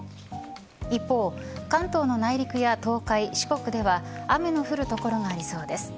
一方、関東の内陸や東海、四国では雨の降る所がありそうです。